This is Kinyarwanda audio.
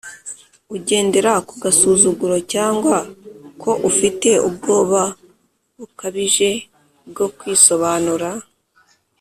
ugendera ku gasuzuguro cyangwa ko ufite ubwoba bukabije bwo kwisobanura?